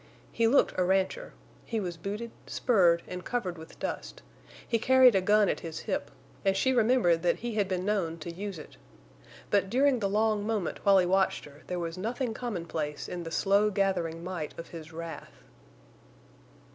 He looked a rancher; he was booted, spurred, and covered with dust; he carried a gun at his hip, and she remembered that he had been known to use it. But during the long moment while he watched her there was nothing commonplace in the slow gathering might of his wrath.